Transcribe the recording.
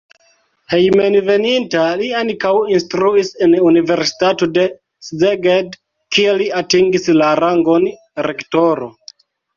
Hejmenveninta li ankaŭ instruis en universitato de Szeged, kie li atingis la rangon rektoro.